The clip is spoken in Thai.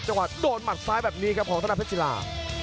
จังหวะโดนมัดซ้ายแบบนี้ครับของท่านเพชรศีลา